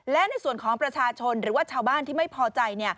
และในส่วนของประชาชนหรือว่าชาวบ้านที่ไม่พอใจ